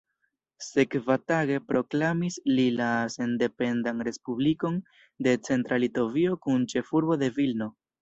Sekvatage proklamis li la sendependan Respublikon de Centra Litovio kun ĉefurbo de Vilno.